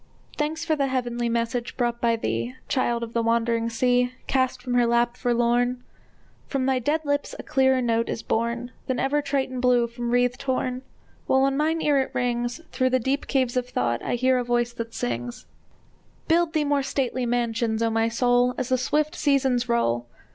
Thanks for the heavenly message brought by thee, Child of the wandering sea, Cast from her lap, forlorn! From thy dead lips a clearer note is born Than ever Triton blew from wreathed horn! While on mine ear it rings, Through the deep caves of thought I hear a voice that sings: Build thee more stately mansions, O my soul, As the swift seasons roll!